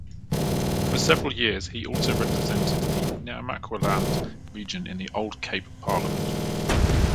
For several years he also represented the Namaqualand region in the old Cape Parliament.